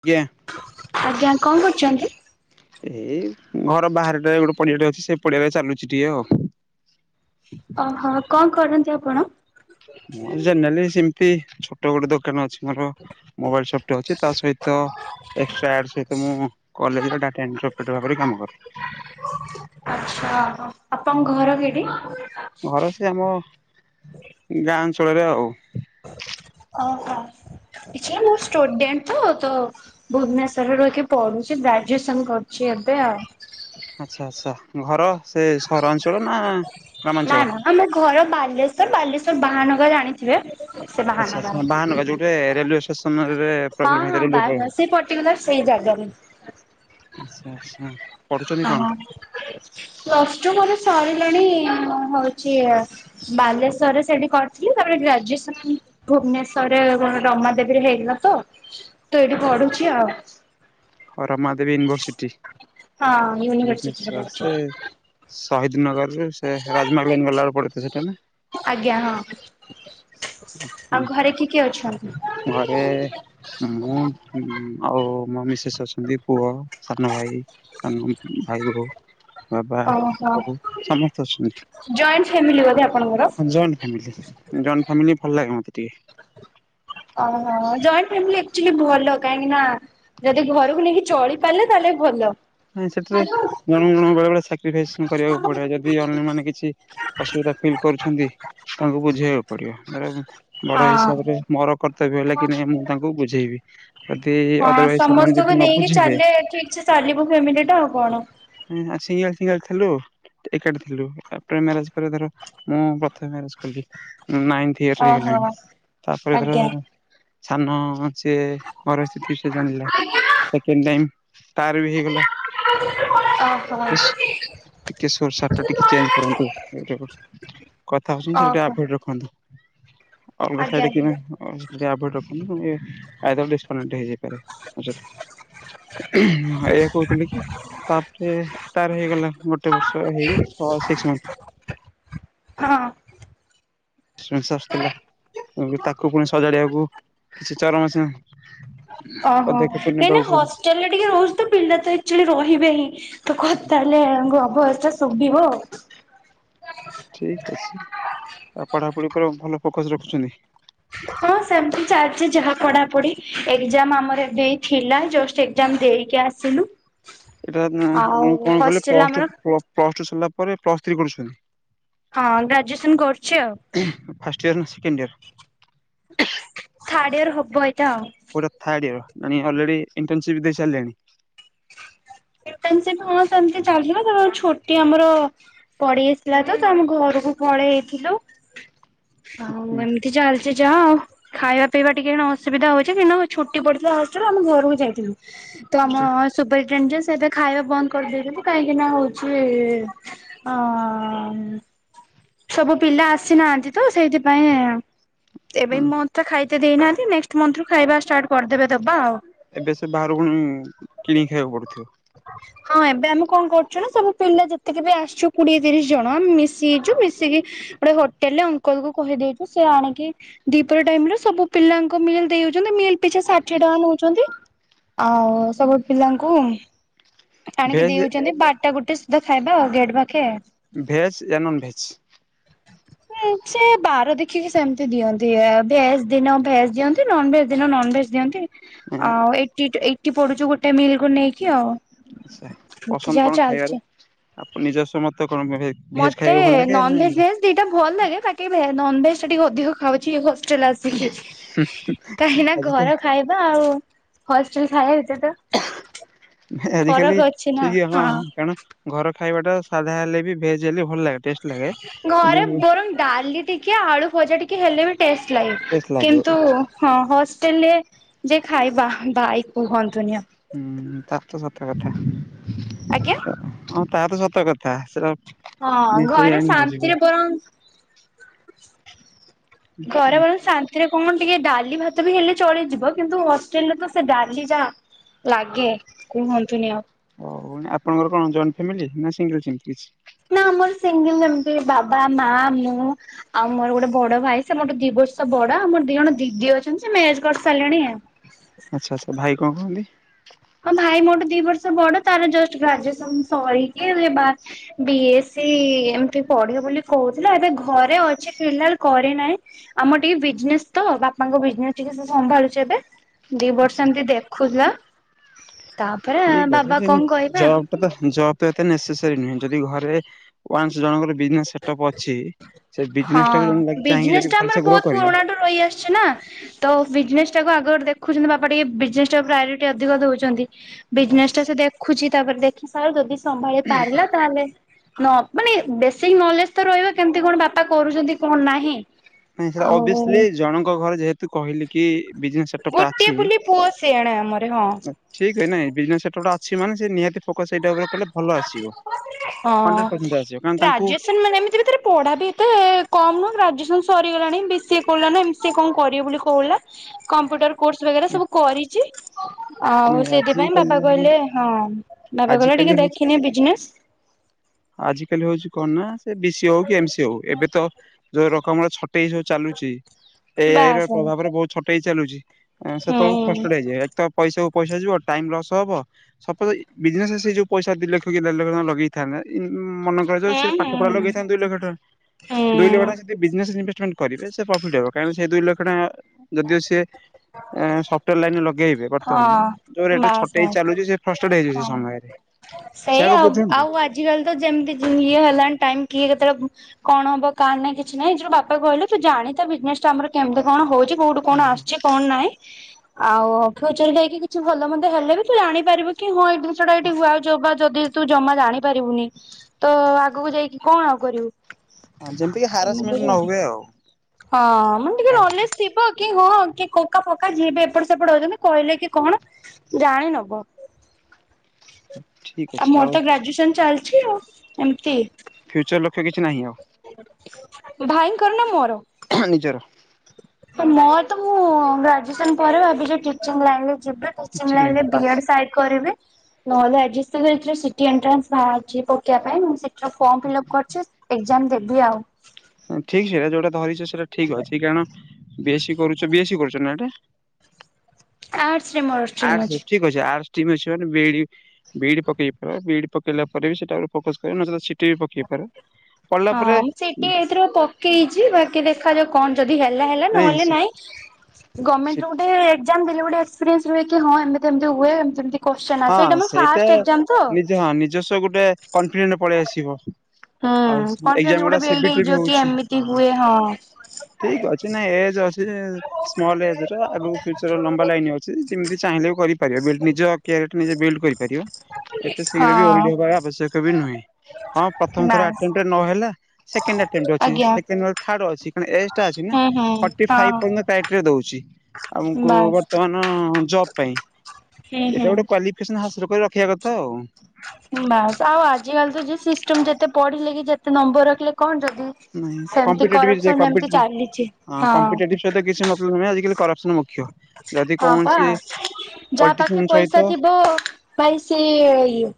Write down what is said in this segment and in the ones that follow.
ଆଜ୍ଞା ଆଜ୍ଞା କଣ କରୁଛନ୍ତି? ଏଇ ଘର ବାହାରେଟା ଗୋଟେ ପଡିଆଟେ ଅଛି ସେ ପଡିଆ ଟ ଚାଲୁଛି ଟିକେ ଆଉ। ଓହୋ କଣ କରନ୍ତି ଆପଣ। ମୁଁ ଜେଲି ସେମିତି ଛୋଟ ଗୋଟେ ଦୋକାନ ଅଛି। ମୋର ମୋବାଇଲ ସପ୍ ଟା ଅଛି ତା ସହିତ ଏକ୍ସଟ୍ରା ଏଡ୍ ସହିତ ମୁଁ କଲେଜର ଡାଟା ଏଣ୍ଟ୍ରି ରୁପେ କାମ କରେ। ଆଛା ଆପଣଙ୍କ ଘର କେଠି? ଘର ସେ ଆମ ଗାଁ ଅଞ୍ଚଳରେ ଆଉ। ଓହୋ। କି ମୋ ଷ୍ଟୁଡେଣ୍ଟ ତ ତ ଭୁବନେଶ୍ଵରରେ ରହିକି ପଢୁଛି ଗ୍ରାଜୁଏସନ କରୁଛି। ଏଵେ ଆଉ ଆଚ୍ଛା ଆଚ୍ଛା ଘର ସେ ସହରାଞ୍ଚଳ ନା ନା ଗ୍ରାମାଞ୍ଚଳ ନା ଆମେ ଘର ବାଲେଶ୍ଵର ବାଲେଶ୍ୱଵର ବାହାନଗର ଜଣିଥିବେ। ସେ ଆଚ୍ଛା ବାହାନଗର ଆଚ୍ଛା ବାହାନଗା ଯୋଉଠି ରେଲୱେ ଷ୍ଟେସନରେ ହଁ ପ୍ରୋବ୍ଲେମ ହଁ ହେଇଥିଲା ରେଲୱେ ପ୍ରୋବ୍ଲେମ ବାନାଗ ହେଇଥିଲା। ସେଟିକୁ ସେଇ ଜାଗାବି ଆଚ୍ଛା ଆଚ୍ଛା। ପଢୁଛନ୍ତି କଣ? ପ୍ଲୁସ ଟୁ ମୋର ସର ଶ୍ରେଣୀ ହଉଛି ବାଲେଶ୍ୱରରେ ସେଠି କରିଥିଲି ତାପରେ ଗ୍ରାଜୁଏସନ୍- ଭୁବନେଶ୍ଵରରେ ରମାଦେବୀରେ ହେଇଥିଲାତ ତ ତ ଏଇଠି ପଢୁଚି ଆଉ। ହ ରମା ଦେବୀ ୟୁନିଭର୍ସିଟି ହଁ ୟୁନିଭରସିଟିରେ ଭୁବନେଶ୍ୱର ପଢୁଛି ସେ- ନଗରରୁ ସେ ରାଜମହଲ ଗଲାବେଳେ ପଡେତ ସେଟା ନା। ଆଜ୍ଞା ହଁ ହଁ ହଁ। ଆଉ ଘରେ କିଏ କିଏ ଅଛନ୍ତି? ଘରେ- ହୁଁ ଆଉ। ମୋ ମିଶେସ୍ ଅଛନ୍ତି ପୁଅ ସାନ ଭାଇ ସାନ ଭାଇ ବୋହୂ। ବାବା ଓହୋ ବୋଉ ସମସ୍ତେ ଅଛନ୍ତି। ଜଏଣ୍ଟ ଫ୍ୟାମିଲି ବୋଧେ ଆପଣଙ୍କର? ଜଏଣ୍ଟ ଫାମିଲି ଜଏଣ୍ଟ ଫେମିଲି ଭଲ ଲାଗେ ମୋତେ ଟିକେ। ଓହୋ ଜଏଣ୍ଟ ଫାମିଲି ଆକଚୁଲି ଭଲ କାହିଁକି ନା ଯଦି ଘରକୁ ନେଇକି ଚଳି ପାରିଲେ ତାହେଲେ- ସେ ଭଲ। ନାଇଁ ସେଠାରେ ଜଣକୁ ଜଣ ବେଳେ ବେଳେ ସାକ୍ରିଫାଇସ୍ କରିବାକୁ ପଡିବ ଯଦି ଅନ୍ୟ ମାନେ କିଛି ଅସୁବିଧା- ଫିଲ୍ କରୁଛନ୍ତି ଛୁଆଙ୍କୁ ବୁଝେଇବାକୁ ପଡିବ ଧର- ହଁ ବଡ ହିସାବରେ ମୋର କର୍ତ୍ତବ୍ୟ ହେଲା କି ନାହିଁ ମୁଁ ତାଙ୍କୁ ବୁଝେଇବି ଯଦି ଅଦରୱାଇଜ ସେମାନେ- ତୁ ଯଦି ନ ନେଇକି ବୁଝିବେ ଚାଲିଲେେ ଠିକ୍ ସେ ଚାଲିବୁ ଫେମିଲି ଟା ଆଉ କଣ? ଆ ସିଙ୍ଗଲ ସିଙ୍ଗଲ ଥିଲୁ। ଏକାଠି ଥିଲୁ ତାପରେ ମ୍ୟାରେଜ ପରେ ଧର ମୁଁ ପ୍ରଥମେ ମ୍ୟାରେଜ କଲି। ନାଇନ୍ଥ ଇୟର ହେଇଗଲାଣି ଓହୋ ତାପରେ ଧର ଆଜ୍ଞା। ସାନ- ସେ ପରିସ୍ଥିତି ବି ସେ ଜାଣିଲା ସେକେଣ୍ଡ ଟାଇମ୍ ତାର ବି ହେଇଗଲା। ଟିକେ [unintelligible] ଟିକେ ସୋଟ ଟା ଟେ ଚେଞ୍ଜ କରନ୍ତୁ କଥା ଆସୁଛି ଅପଡେଟ ଆଜ୍ଞା ରଖନ୍ତୁ। ଅଲଗା ସାଇଟ୍ ରେ ଆଜ୍ଞା କିମ୍ପାଇଁ ଅପଡେଟ ରଖି ଆଇଦର ଡିସ କନେକ୍ଟ ହୋଇଯାଇପାରେ। ଏଇଆ କହୁଥିଲି କି ତା- ହେଇ ତାର ହେଇଗଲା ଗୋଟେ ବର୍ଷ ହେଇ ଛ ସିକ୍ସ ମନ୍ଥ। [unintelligible] କିମ୍ସ ଆସିଥିଲେ ତାକୁ ପୁଣି ସଜାଡିବାକୁ କିଛି ଚାରି ମାସ - ହ। ଓହୋ କାହିଁକିନା ପଡୁଛି। ହଷ୍ଟେଲରେ ଟିକେ ରହୁଛି ତ ପିଲା ଆକଚୁଆଲି ରହିବେ ହିଁ ତ କଥା ହେଲେ। ତାଙ୍କୁ ହବ ଭଏସ ଟା ଶୁଭିବ। ଠିକ ଅଛି ଆଉ ପଢାପଢି ଉପରେ ଭଲ ଫୋକସ ରଖୁଛନ୍ତି। ହଁ। ହ ସେମତି ଚାଲିଛି ଯାହା ପଢାପଢି ଏକଜାମ ଆମର ଏବେ ଥିଲା ଜଷ୍ଟ ଏକଜାମ୍ ଦେଇକି ଆସି - ସିଲୁ। ଏଇଟା ଆପଣ କଣ କହିଲେ ପ୍ଲ ଆମର ପ୍ଲସଟୁ ସରିଲା ପରେ ପ୍ଲସ ଥ୍ରୀ ହଁ ଗ୍ରାଜୁଏସନ କରୁଛି ଆଉ କରୁଛନ୍ତି। ଫାର୍ଷ୍ଟଟ ୟର ନା ସେକେଣ୍ଡ ୟାର? ଥିର୍ଡ ୟଡ଼ିର ହବ ଏ ମାନେ ଅଲରେଡି ଇଣ୍ଟନଶପ୍ ଦେଇସାରିଲେଣି? ସେ ହଁ ସେମତି ଚାଲିଥିଲା ତ ଛୋଟି ଆମର ପଡି ଆସିଲା ତ ଆମ ଘର ସବୁ ପଳେଇ ହେଇଥିଲୁ, ଆଉ ହୁଁ ଏମିତି ଚାଲିଛି ଯା ଆଉ ଖାଇବା ପିଇବା ଟିକେ ଅସୁବିଧ ହଉଛି କି ନା, ଛୁଟି ପଡିଥିଲା ହଷ୍ଟେଲ ଆମ ଘରକୁ ଯାଇଥିଲୁ। ତ ଆମ ସୁପରିଟେଣ୍ଡେ ଏବେ ଖାଇବା ବନ୍ଦ କରିଦେଇଥବୁ କାହିଁକି ନା ହଉଛି ଅ ସବୁ ପିଲା ଆସିନାହାନ୍ତି, ତ ସେଇଥିପାଇଁ ଏବେ ହୁଁ ମ ତ ଖାଇତ ଦେଇନାହାନ୍ତି, ନେକ୍ସଟ ମନ୍ଥ ରୁ ଖାଇବା ଷ୍ଟାର୍ଟ କରିଦେବେ ଦବା ଆଉ। ଏବେ ସେ ବାହାରକୁ କିଣି ଖାଇବାକୁ ପଡୁଥିବ? ହଁ ଏବେ ଆମେ କଣ କରୁଛୁ ନା ସବୁ ପିଲା ଯେତିକି ବି ଆସିଛୁ, କୋଡିଏ ତିରିଶ ଜଣ ଆମେ ମିଶି ହେଇଛୁ ମିଶିକି ଗୋଟେ ହୋଟେଲରେ ଅଙ୍କଲ କୁ କହିଦେଇଛୁ, ସେ ଆଣିକି ଦିପର ଟାଇମରେ ସବୁ ପିଲାଙ୍କୁ ମିଲ୍ ଦେଇ ମିଲ୍ ପିଛା ଷାଠିଏ ଟଙ୍କା ନଉଛନ୍ତି, ଆଉ ସବୁ ପିଲାଙ୍କୁ ଆଣିକି ଭେଜ ଦେଇଉଛନ୍ତି, ବାରଟା ଗୋଟେ ସୁଧା ଖାଇବା ଆଉ ଗେଟ୍ ପାଖେ। ଭେଜ ଏହା ନନ୍ ଭେଜ? [inaudible] ହଁ ସେ ବାର ଦେଖିକି ସେମିତି ଦିଅନ୍ତି, ଭେଜ ଦିନ ଭେଜ ଦିଅନ୍ତି, ନନ ଭେଜ ଦିନ ନନ ଭେଜ ଦିଅନ୍ତି ଆଉ ଏଠି ଏଇଠି ପଡୁଛୁ, ଗୋଟେ ମିଲ୍ କ ନେଇକି ଆଉ। ଆଛା ଏମିତି ପସନ୍ଦ ଯାହା କଣ ଖାଇବାରେ ଚାଲିଛି। ଆପଣ ନିଜସ୍ଵ ମତେ କଣ? ଭେଜ ମତେ ଖାଇବାକୁ ଭଲ ଲାଗେ ନା ନନଭେଜ ଭେଜ ଦିଟା ଭଲ ଲାଗେ ପାକ ନନ ଭେଜ ଟା ଟିକେ ଅଧିକ ଖାଉଛି ଆସିକି କାହିଁ ନା ଆଜିକାଲି ଘର ଖାଇବା ଆଉ ହଷ୍ଟେଲ ଖାଇ ହେଥିଲା ତ ଫରକ ଆଜିକାଲି ଅଛି ନା ଠିକ ହଁ ହଁ କାରଣ ଘର ଖାଇବା ଟା ସାଧା ହେଲେ ବି ଭେଜ ହେଲେ ଭଲ ଲାଗେ ଟେଷ୍ଟ ଲାଗେ। କିନ୍ତୁ ଘରେ ବରଂ ଡାଲି ଟିକେ ଆଳୁ ଭଜା ଟିକେ ହେଲେ ବି ଟେଷ୍ଟ ଲାଗେ, ଟେଷ୍ଟ ଲାଗେ କିନ୍ତୁ ହୁଁ ହଁ ହଷ୍ଟେଲ ରେ ଯେ ଖାଇବା ଭାଇ କୁହନ୍ତୁନି। ହୁଁ ତା ତ ସତ କଥା। ଆଜ୍ଞା? ହଁ ତାହା ତ ସତ କଥା ସେ ହଁ ଘରେ ଶାନ୍ତିରେ ବରଂ ଘରେ ବଲ ଶାନ୍ତିରେ କଣ ଟିକେ ଡାଲି ଭାତ ବି ହେଲେ ଚଳିଯିବ, କିନ୍ତୁ ହଷ୍ଟେଲରେ ତ ସେ ଡାଲି ଯା ଲାଗେ। କୁହନ୍ତୁନି ଆଉ। ଉ ଆପଣଙ୍କର କଣ ଜଏଣ୍ଟ ଫ୍ୟାମିଲି ନା ସିଙ୍ଗଲ ସେମିତି କିଛି? ନା ଆମର ସିଙ୍ଗିଲ ଏମିତି ବାବା, ମା, ମୁଁ ଆଉ ମୋର ଗୋଟେ ବଡ ଭାଇ, ସେ ମୋ ଦିିବ ବର୍ଷ ବଡ ମୋର ଦି ଜଣ ଦିଦି ଅଛନ୍ତି, ସେ ମେଜ କରି ସାରିଲେଣି। ଆଚ୍ଛା ଆଛା ଭାଇ କଣ କହନ୍ତି? ହଁ ଭାଇ ମୋରଠେ ଦି ବର୍ଷ ବଡ ତାର ଜଷ୍ଟ ଗ୍ରାଜୁଏସନ ସରିକି ହେ ବି ସେ ଏମିତିିକେ ପଢିବ ବୋଲି କହୁଥିଲେ, ଏବେ ଘରେ ଅଛି ଫିଲାଲ କରେ ନାହିଁ ଆମ ଟିକେ ବିଜେସ୍ ତ ବାପାଙ୍କ ବିଜନେସ୍ ଟିକେ ସେ ସମ୍ଭାଳୁଛ, ଏବେ ଦି ଆଚ୍ଛା ବର୍ଷ ଆଚ୍ଛା ଏମିତି ଦେଖୁଥିଲା ତାପରେ ଠିକ ଅଛ ବାବା ସେ କଣ କହିବେ ଆଉ। ଜବ୍ ଟା ତ ଜବ ଏତେ ନେ ଶେଷେରୀ, ନହେଁ ଯଦି ଘରେ ୱାନ୍ ଜଣଙ୍କର ବିଜନେଟପ୍ ଅଛି। ସେ ବିଜନେସ୍ ଟାକୁ ଜଣେ ହଁ ଚାହିଁକି ବିଜନେସ ଯଦି ଟା ଆମର ଭଲସେ ଗ୍ରୋ ବହୁତ କରିବ ପୁରୁଣାଠୁ ରହି ଆସିଛି, ନା ତ ବିଜନେସ ଟାକୁ ଆଗ ଦେଖୁଛନ୍ତି, ବାପା ଟିକେ ବିଜନେସ ଟ ପ୍ରାୟୋରିଟି ଅଧିକ ଦଉଛନ୍ତି, ବିଜନେସ ବାସ୍ ଟା ସେ ଦେଖୁଛି ତାପରେ ଦେଖି ସାର ଯଦି ସମ୍ଭାଳି ପାରିଲା ତାହେଲେ ନ ମାନେ ବ ସେଇ ନଲେଜ ତ ରହିବ କେମିତି କଣ ବାପା କରୁଛନ୍ତି କଣ ନାହିଁ? ନ ସେଟା ଅଭିସଲି ଆଉ ଜଣଙ୍କ ଘରେ ଯେହେତୁ କହିଲି କି ସେଟପ୍ ଟା ଗୋଟିଏ ଅଛି ବୋଲି ପୁଅ ସେଆଣେ ଆମର ହଁ ଠିକ ନାଇଁନେ ସେଟପ୍ ଟା ସେମାନେ ସେ ନିହାତି ଫୋକସ ସେଇଟା ଉପରେ କଲେ ଭଲ ଆସିବ। ହଁ ହଣ୍ଡ୍ରେଡ ପରସେଣ୍ଟ ଆସିବ କାରଣ ତାଙ୍କୁ ଗ୍ରାଜୁଏସନ ମାନେ ଏମିତି ଭିତରେ ପଢା ବି ତ କମ ନ ଗ୍ରାଯୁ ସଗଲାଣିି ବି ସି ଏ ଏମ୍ ସିଏ କଣ କରିବ ବୋଲି କହିଲା କମ୍ପୁଟର ସ୍ ବ ସବୁ କରିଛି ଆଉ ସେଥିପାଇଁ ବାବା ଆଜିକାଲି କହିଲେ ହଁ ବାବା କହିଲ ଟିକେ ଦେଖିନି ବିଜନେସ। ଆଜ କାଲି ହଉଛି କଣ ନା ସେ ବି ସି ହଉ, କି ଏମ ସି ହଉ, ଏବେ ତ ଯୋଉ ରକମ ଛଟେଇ ହାଉଛି ଚାଲୁଛି ଏଆଇ ର ବାସ ପ୍ରଭାବରେ ବହୁତ ଛୋଟ ହେଇ ଚାଲୁଛି, ହୁଁ ସେତେବେ ଫଷ୍ଟଡ ହେଇଯାଏ ତ ପଇସାକୁ ପଇସା ଯିବ ଟାଇମ ଲସ୍ ହବ ସପୋଜ, ବିଜନେସ ସେ ଯୋଉଇସା ଦି ଲକ୍ଷ କି ଦେଢ଼ ଲକ୍ଷଙ୍କ ଲଗେଇଥାନ୍ତେ ମନେ କରାଯାଉ ହୁଁ ସେ ହୁଁ ପାଠ ପଢା ହୁଁ ଲଗେଇଥାନ୍ତି, ଦୁଇ ଲକ୍ଷ ଟଙ୍କା ଦୁଇ ଲକ୍ଷ ହୁଁ ଟଙ୍କା ଯଦି ଇନି ପ୍ରଫିଟ୍ ହବ କ ସେ ଦୁଇ ଲକ୍ଷ ଟଙ୍କା ଯଦି ସି ସଫ୍ଟାର ଲାଇନରେ ଲଗେଇ ବତମାନ ହଁ ଯୋଉ ରେଟ ବାସ୍ ଛୋଟ ହେଇ ବାସ୍ ଚାଲୁଛି, ସେ ଫଷ୍ଟ ହେଇ ସେ ହଁ ସମୟରେ ସେଆକୁ ବୁଝନ୍ତୁ ଆଜି କାଲି ତୋ ଯେମିତିି ହେଲାନି କି କେତେଟା କଣ ହବ କା ନାଁ କିଛି ନାହିଁ ବାପା କହିଲେ ତୁ ଜାଣିଜନେ ଟା ଆମର କେମତି କଣ ହଉଛି କୁଉଠୁ କଣ ଆସିଛି କଣ ନାହିଁ ଆଉ ଖଚର ଦେଇକି କିଛି ଭଲ ମନ୍ଦେ ହେଲେ ବି, ତୁ ଜାଣିପାରିବ କି ହଁ ଏଇ ଜିନିଷ ଟା ଏଠି ଯଦି ତୁ ଜମା ଜାଣିପାରିବୁନି ତ ଆଗକୁ ଯାଇକି କଣ ଆଉ କରିବୁ? ହଁ ଯେମିତିକ ଏମିତି ହାରାସମେଣ୍ଟ ନ ହୁଏ ଆଉ। ହଁ ମାନେ ଟିକେ ନଲେଜ ଥିବ କି ହଁ କି କୋକ ଫକା ଯିଏ ବି ଏପଟ ସେପଟ ହଉଛନ୍ତି, କହିଲେ କି କଣ ଜାଣିନବ। ଠିକ୍ ଅଛି ଆଉ ଆଉ ମୋର ତ ଗ୍ରାଜୁଏସନ ଚାଲିଛି ଏମିତି। ଫ୍ୟୁଚର ଲକ୍ଷ୍ୟ କିଛି ନାହିଁ ଆଉ? ଭାଇଙ୍କର ନା ମୋର? ନିଜର। ମର ତ ମୁଁ ଗ୍ରାଜୁଏସନ ପରେ ଭାବିଛି ଟିଚିଂ ଲାଇନରେ ଯିବେ ଟିଚିଂ ଲାଇନ ଲାଇନ୍ ରେ ବାସ୍। ବିଏଡ ସାଇଡ କରିବେ ନହେଲେ ସି ଟି ଏଣ୍ଟ୍ରାନ୍ସ ବାହାରି ପକେଇ ପାଇଁ ମୁଁ ଯ ଫର୍ମ ଫିଲଅପ୍ କରଛି, ଏଜାମ ଦେବି ଆଉ। ଠିକ ସେଇଟା ଯୋଉଟା ଧରିଛ ସେଇଟା ଠିକ ଅଛି, କାରଣ ବେଶୀ କରୁଛ ନା ଏଇଟା, ଆର୍ଟସ ରେ ମୋର ଷ୍ଟ୍ରିମ୍ ଆର୍ଟସ ଠିକ ଅଛି ଆର୍ଟସ ଟି ଅ ମାନେ ପକେଇାର ବି ପକେଇଲା ପରେ ବି, ସେଟା ଉପ ଫୋକ ନଚେ ସି ବି ପକେଇ ପାର ପଢିଲା ହଁ ପରେ ମୁଁ ସିଟି ଏଇଥିର ପକେଇଛି ବାକି ଦେଖାଯାଉ କଣ ଯଦି ହେଲା ହେଲା ନହେଲେ ନାଇଁ ଗଭର୍ମଣ୍ଟ ସି ର ଗୋଟ ଏକ୍ଜାମ ଦେଲେ ଗୋଟେରିସ ରୁ କି ହଁ ଏମତି ଏମତି ହୁଏ। କୋଶ୍ଚେନ ହଁ ଆସେ ଏଇଟା ମୋ ସେଇଟା ଫାଷ୍ଟ ଏକ୍ଜାମ ତ ନିଜ ହଁ ନିଜସ୍ ଗୋଟେ କନଫିଡ ପଳେଇ ଆସିବ। ଆଉ କନଫିଡେନ୍ସ ଏକ୍ଜାମ ଗୋଟେ ଗୁଡା ସି ବିଲ୍ଡ ବି ଟି ରେ ହେଇଯିବ ବି କି ହଉଚି, ଏମିତି ହଁ। ହୁଏ ଠିକ ଅଛି ନାଇଁ ଏଯେ ସ୍ଲ ଏଜ ଆଗ ଫଚର ଲମ୍ବା ଲାଇନ ଅଛି, ଯେମିତି ଚାହିଁଲେ ବି କରିପାରିବ ବ ନିଜ ନିଜେ ବିଲ୍ଡ କରିପାରିବ, ଏତେ ଶୀଘ୍ର ବି ଓରିଡି ହଁ ହବାର ଆବଶ୍ୟକ ବି ନୁହେଁ ହଁ ପ୍ରଥମ ଥର ବାସ୍। ନ ହେଲା ସେକଣ୍ଡ ଆଟେଣ୍ଟ ଅଛି, ଆଜ୍ଞା ସେ-ଥାର୍ଡ଼ କ ଏଜ ଟା ଅଛି ନା ହୁଁ ହୁଁ ଫର୍ଟି ଫାଇଭ୍ ହଁ ପର୍ଯ୍ୟନ୍ତାଇଟରେ ଦଉଛି ଆମକୁ ବାସ୍ ବର୍ତ୍ତମାନ ଜବ୍ ପାଇଁ। ହୁଁ ହୁଁ। ଏଇଟା ଗୋଟେ କ୍ୱାଲିଫିକେସନ ହାସଲ କରି ରଖିବା କଥା ଆଉ। ବାସ ଆଉ ଆଜିକାଲି ତ ଯିଏ ସିଷ୍ଟମ ଯେତେ ପଢିଲେ କି ଯେତେ ନମ୍ବର ରଖିଲେ କଣ ର ସହି କିଛି ଚାଲିଛି ମତବ ହଁ ନୁହେଁ ଆ କରପ ହଁ ପା। ଯାହା ପଲିଟିସିଆନ ପାଖେ ସହିତ ପଇସା ଥିବ ଭାଇ ସେ ଇଏ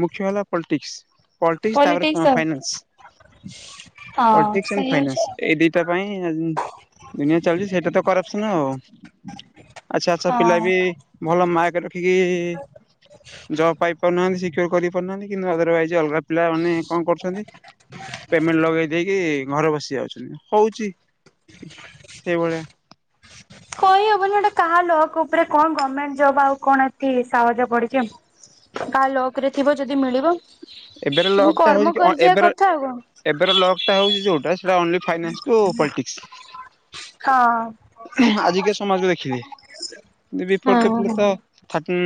ମୁଖ୍ୟ ହେଲା ପଲିଟିକ୍ସ ପଲିଟିକ୍ସ ତାପରେ ଫାଇନାନ୍ସ ହଁ ପଟିକସଣ୍ଡ ସେଇ ହଉଛି ଫାଇନାନ୍ସ ଏଇ ଦିଟା ପାଇଁ ଦୁନିଆ ଚାଲିଛି ସେଇଟା ତ କରପସନ ଆଉ ଆଚ୍ଛା ଆଚ୍ଛା ହଁ ପିଲା ବି ଭଲ ମକ ରଖିକି ଜବ ପାଇ ପାରୁନାହାନ୍ତି। କରିପାରୁନାହାନ୍ତି କିନ୍ତୁ ଅଦରୱାଇଜ ଅଲଗା ପିଲାମାନୋନେ କଣ କରୁଛନ୍ତି ପେମେଣ୍ଟ ଲଗେଇ ଦେଇକି ଘରେ ବସି ଯାଉଛନ୍ତି ହଉଛି ସେଇଭଳିଆ। କହିହବନି ଗଟ କାହା ଲ ଉପରେ କଣ ଗଭର୍ଣମେଣ୍ଟ, ଜବ ଆଉ କଣ ଏ ସାହାଯ୍ୟ ପଡିଛି କାହା ଲକ ରେ ଥିବ ଯଦି ମିଳିବ ଏବେର ମୁଁ ଲଗ ଟ କର୍ମ ହଉଛି କି କରିଯିବା ଏବେ କଥା ଆଉ କଣ ଏବେ ଲଗ ଟା ହଉଛି, ଯୋଉଟା ସେଟାନ୍ଲି ଫାଇନାନ୍ସସ ହଁ। ଆଜିିକ ସମାଜକୁ ଦେଖିଲି ବିଫୋର୍ ତ ହଁ ପିଲା ହଁ। ତ ଉ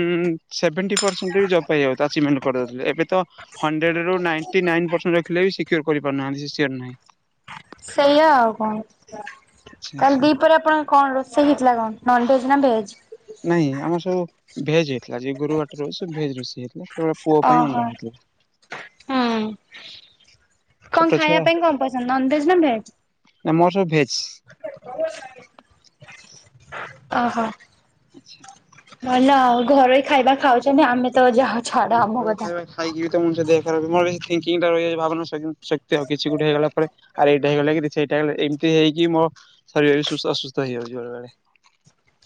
ସେଭେଣ୍ଟି ପରସେଣ୍ଟରେ ବି ଜବ୍ ପାଇଯାଉଛି, ଆଚିଭମେଣ୍ଟ କରିଦେଉଥିଲେ ଏବେ ତ ହଣ୍ଡେଡ ର ନାଇ ନ ରଖିଲେ କରିପାରୁନାହାନ୍ତି, [unintelligible] ସେଆ ଆଉ କଣ? ଆଚ୍ଛା ତାହଲେ ଆଚ୍ଛା ଦି ପରେ ଆପଣଙ୍କ କଣ ରୋଷେଇ ହେଇଥିଲା କଣ ନନ ଭେଜ ନା ଭେଜ? ନାଇଁ ଆମର ସବୁ ଭେଜ ଥିଲା ଯେ ଗୁରୁ ବାଟ ରଷଭେଜ ରୋଷେଇ ହେଇଥିଲା କେଳେ ପୁଅ ପାଇଁ ଅଣ୍ଡା ହେଇଥିଲା। ହଁ ଛୋଟ କଣ ଛୁଆ ଖାଇବା ପାଇଁ କଣ ପସନ୍ଦ ନନ ଭେଜ ନା ଭେଜ? ମର ସବୁ ଭେଜ। ଓହୋ। ଆଚ୍ଛା। ନା ଘରୋଇ ଖାଇବା ଖାଉଛ ଆମେ ତ ଯାହା ଛାଡ ହ ଆମ ଘରୋଇ କଥା। ଖାଇବା ଖାଇକି ତ ମଣିଷ ଦେହଖରାପ ମଣି ଥିଙ୍କିଙ୍ଗ ଟା ରହିଛି ଭାବନା ଶକ୍ତି ଆଉ କିଛି ଗୋଟେ ହେଇଗଲା ପରେ ଆର୍ ଏଇଟା ହେଇଗଲା କି ସେଇଟା ହେଇଲା ଏମିତି ହେଇକି ମୋ ଶରୀର ବି ସୁସ୍ଥ ଅସୁସ୍ଥ ହେଇଯାଉଛି ବେଳେ ବେଳେ।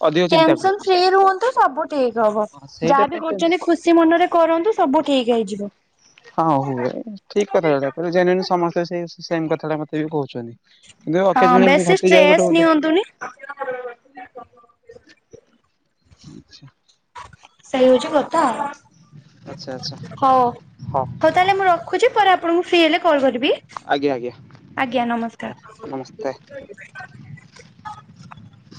ଅଧିକ ଚିନ୍ତା ଟେନସନ କରୁଛି। ଫ୍ରି ହୁହନ୍ତୁ ସବୁ ଠିକ ହବ ହଁ ସେଇଟା ଯାହାବି ପାଇଁ ଟେନସ କରୁଛନ୍ତି ଖୁସି ମଣ୍ଡରେ କରନ୍ତୁ ସବୁ ଠିକ ହେଇଯିବ। ହଁ ହୁଏ ଠିକ କଥାଟା କିଲେ ଜଣେ ସମସ୍ତେ ସେ ସେମ କଥାଟା ମତେ ବି କହୁଛନ୍ତି। କିନ୍ତୁ ହଁ ଅକ୍ଷମତି ବେଶୀ ଘଟିଯାଏ ଗୋଟେ ଷ୍ଟ୍ରେସ୍ ଗୋଟେ ନିଅନ୍ତୁନି। ହୁଁ। ସେଇ ହଉଛି କଥା। ହଉ ଆଚ୍ଛା ଆଚ୍ଛା ହଉ ତାହେଲେ ମୁଁ ରଖୁଛି ପରେ ଆପଣଙ୍କୁ ଫ୍ରି ହେଲେ କଣ କରିବି ଆଜ୍ଞା ଆଜ୍ଞା ଆଜ୍ଞା ହଉ ନମସ୍କାର। ନମସ୍କାର। [inaudible]